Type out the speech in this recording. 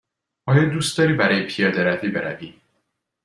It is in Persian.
آیا دوست داری برای پیاده روی بروی؟